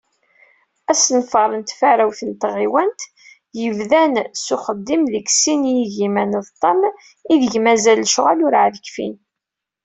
Asenfar n tfarawt n tɣiwant, yebdan s uxeddim deg sin yigiman d ṭam, ideg mazal lecɣal urεad kfin.